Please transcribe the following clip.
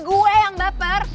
gue yang baper